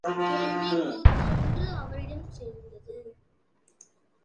கேள்விச் சீட்டொன்று அவரிடம் சேர்ந்தது.